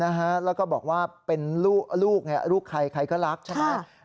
แล้วก็บอกว่าเป็นลูกลูกใครใครก็รักใช่ไหม